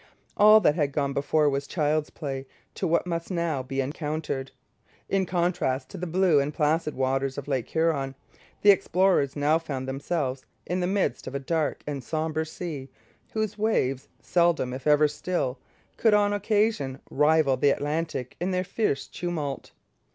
All that had gone before was child's play to what must now be encountered. In contrast to the blue and placid waters of Lake Huron, the explorers now found themselves in the midst of a dark and sombre sea, whose waves, seldom if ever still, could on occasion rival the Atlantic in their fierce tumult.